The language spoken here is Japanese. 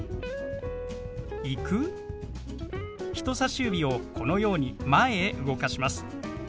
人さし指をこのように前へ動かします。